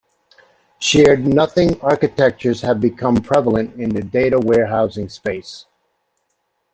Shared nothing architectures have become prevalent in the data warehousing space.